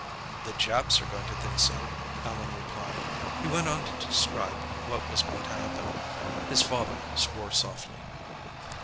"The Japs are going to think so," Allan replied. He went on to describe what was going to happen. His father swore softly.